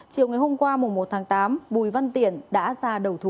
chiều ngày hôm qua một tháng tám bùi văn tiển đã ra đầu thú